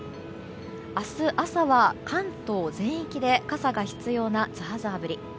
明日朝は関東全域傘が必要なザーザー降り。